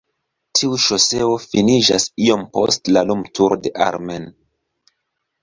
Tiu ŝoseo finiĝas iom post la lumturo de Ar-Men.